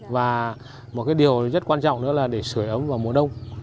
và một cái điều rất quan trọng nữa là để sửa ấm vào mùa đông